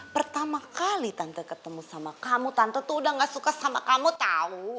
pertama kali tante ketemu sama kamu tante tuh udah gak suka sama kamu tahu